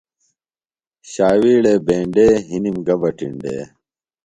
شاویڑے بینڈے، ہِنم گہ بہ ٹینڈے